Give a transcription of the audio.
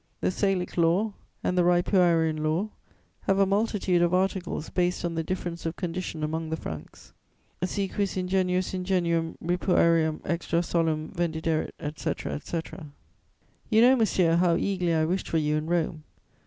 The Salic Law and the Ripuarian Law have a multitude of articles based on the difference of condition among the Franks: "'St quis ingenuus ingenuum ripuarium extra solum vendiderit, etc., etc.' [Sidenote: Letter to Augustin Thierry.] "You know, monsieur, how eagerly I wished for you in Rome.